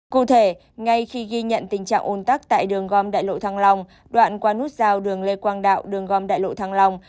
cụ thể ngay khi ghi nhận tình trạng ôn tắc tại đường gom đại lộ thăng long đoạn qua nút giao đường lê quang đạo đường gom đại lộ thăng long